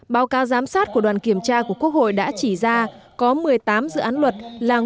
báo cáo giám sát của đoàn kiểm tra của quốc hội đã chỉ ra có một mươi tám dự án luật là nguyên nhân của việc phát sinh